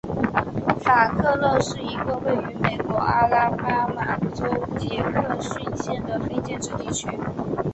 法克勒是一个位于美国阿拉巴马州杰克逊县的非建制地区。